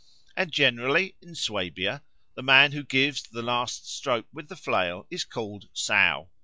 And, generally, in Swabia the man who gives the last stroke with the flail is called Sow.